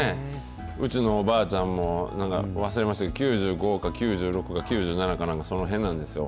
うちのおばあちゃんもなんか忘れましたけど、９５か、９６か、９７か、なんかそのへんなんですよ。